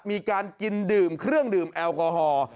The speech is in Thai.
มีการกินดื่มเครื่องดื่มแอลกอฮอล์